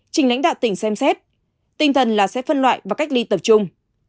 trình lãnh đạo tỉnh xem xét tinh thần là sẽ phân loại và cách ly tập trung